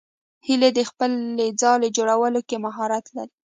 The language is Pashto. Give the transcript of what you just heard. هیلۍ د خپل ځاله جوړولو کې مهارت لري